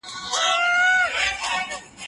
هغه څوک چي زده کړه کوي پوهه زياتوي؟